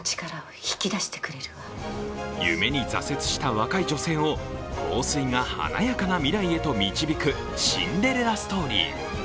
夢に挫折した若い女性を香水が華やかな未来へと導く、シンデレラストーリー。